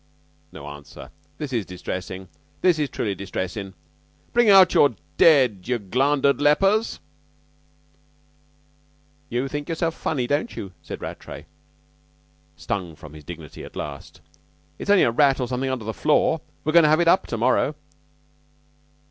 No answer. This is distressin'. This is truly distressin'. Bring out your dead, you glandered lepers!" "You think yourself funny, don't you?" said Rattray, stung from his dignity by this last. "It's only a rat or something under the floor. We're going to have it up to morrow."